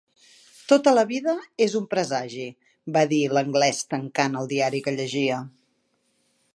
"Tot a la vida és un presagi" va dir l'anglès tancant el diari que llegia.